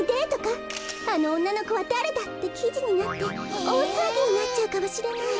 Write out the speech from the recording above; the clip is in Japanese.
あのおんなのこはだれだ！？」ってきじになっておおさわぎになっちゃうかもしれない。